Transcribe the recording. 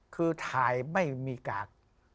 คือถ่ายไม่มีกาก